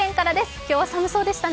今日は寒そうでしたね。